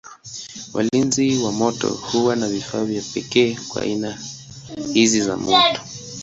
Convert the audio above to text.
Walinzi wa moto huwa na vifaa vya pekee kwa aina hizi za moto.